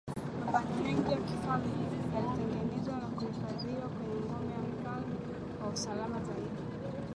Mapambo mengi ya kifalme yalitengenezwa na kuhifadhiwa kwenye ngome ya mfalme kwa usalama zaidi